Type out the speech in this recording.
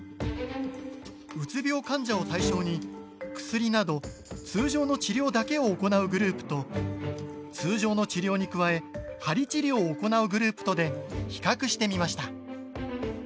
うつ病患者を対象に薬など通常の治療だけを行うグループと通常の治療に加え鍼治療を行うグループとで比較してみました。